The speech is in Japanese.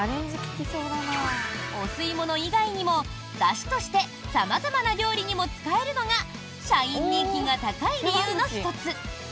お吸いもの以外にもだしとして様々な料理にも使えるのが社員人気が高い理由の１つ。